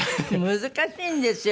難しいんですよ